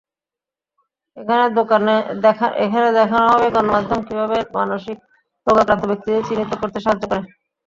এখানে দেখানো হবে গণমাধ্যম কীভাবে মানসিক রোগাক্রান্ত ব্যক্তিদের চিহ্নিত করতে সাহায্য করে।